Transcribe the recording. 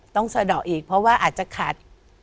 สะดอกอีกเพราะว่าอาจจะขาด